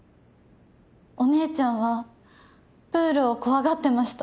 お姉ちゃんはプールを怖がってました。